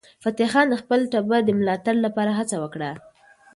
فتح خان د خپل ټبر د ملاتړ لپاره هڅه وکړه.